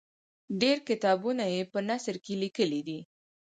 ډېر کتابونه یې په نثر کې لیکلي دي.